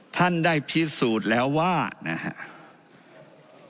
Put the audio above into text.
ท่านได้พิสูจน์แล้วว่าท่านว่าคน๗ปีเศรษฐกิจนะครับ